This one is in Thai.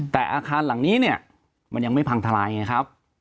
แต่อาคารหลังนี้เนี่ยมันยังไม่พังทลายไงครับ